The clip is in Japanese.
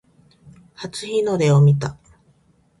初日の出を見た